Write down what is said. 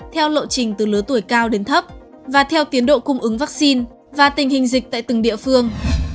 theo lộ trình từ lứa tuổi cao đến thấp và theo tiến độ cung ứng vaccine và tình hình dịch tại từng địa phương